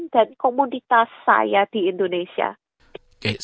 dan komunitas saya di indonesia